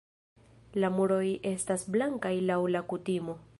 La muroj estas blankaj laŭ la kutimo.